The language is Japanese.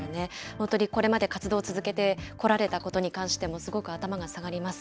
本当にこれまで活動を続けてこられたことに関しても、すごく頭が下がります。